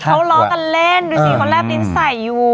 เขาล้อกันเล่นดูสิเขาแลบลิ้นใส่อยู่